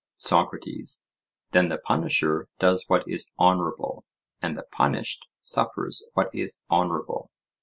SOCRATES: Then the punisher does what is honourable, and the punished suffers what is honourable?